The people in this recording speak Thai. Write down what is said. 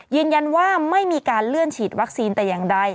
ยืนยันว่าไม่มีการเลื่อนฉีดวัคซีนแต่อย่างใด